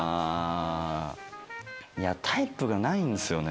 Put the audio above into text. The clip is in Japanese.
あぁいやタイプがないんですよね。